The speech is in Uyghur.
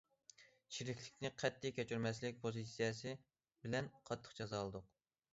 چىرىكلىكنى قەتئىي كەچۈرمەسلىك پوزىتسىيەسى بىلەن قاتتىق جازالىدۇق.